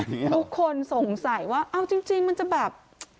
ทุกคนสงสัยว่าเอาจริงมันจะแบบ